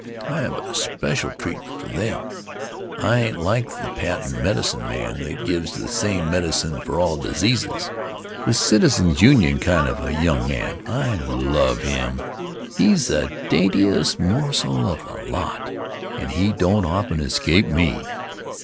I have a special treatment for them. I ain't like the patent medicine man that gives the same medicine for all diseases. The Citizens' Union kind of a young man! I love him! He's the daintiest morsel of the lot, and he don't often escape me.